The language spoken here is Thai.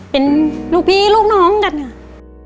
เป็นลูกพี่ลูกน้องกันค่ะ